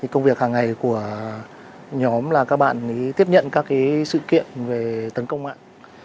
công việc hàng ngày của nhóm là các bạn tiếp nhận các sự kiện về tấn công mạng